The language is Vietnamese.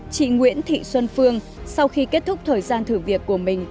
chị nguyễn thị xuân phương sau khi kết thúc thời gian thử việc của mình